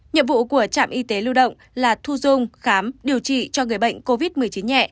nhiệm vụ của trạm y tế lưu động là thu dung khám điều trị cho người bệnh covid một mươi chín nhẹ